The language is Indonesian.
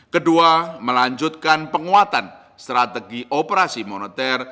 kedua melanjutkan penguatan strategi operasi moneter